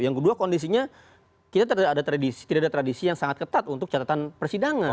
yang kedua kondisinya kita tidak ada tradisi yang sangat ketat untuk catatan persidangan